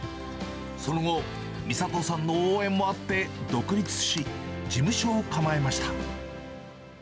その後、美里さんの応援もあって独立し、事務所を構えました。